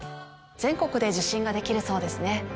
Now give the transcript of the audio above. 全国で受診ができるそうですね。